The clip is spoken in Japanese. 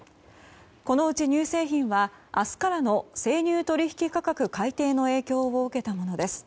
このうち乳製品は明日からの生乳取引価格改定の影響を受けたものです。